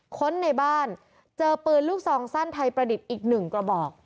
ค้นในบ้านเจอปืนลูกซองสั้นไทยประดิษฐ์อีกหนึ่งกระบอก